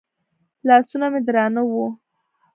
لاسونه مې درانه وو.